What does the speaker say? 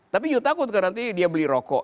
tapi yuk takut nanti dia beli rokok